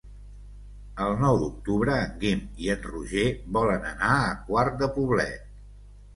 El nou d'octubre en Guim i en Roger volen anar a Quart de Poblet.